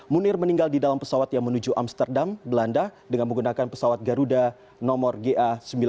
munir meninggal di dalam pesawat yang menuju amsterdam belanda dengan menggunakan pesawat garuda nomor ga sembilan ratus sembilan puluh